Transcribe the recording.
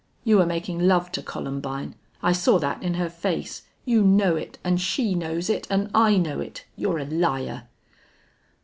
"You were making love to Columbine. I saw that in her face. You know it and she knows it and I know it.... You're a liar!"